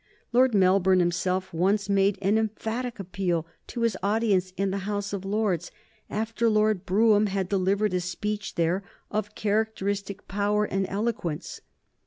Lord Melbourne himself once made an emphatic appeal to his audience in the House of Lords, after Lord Brougham had delivered a speech there of characteristic power and eloquence.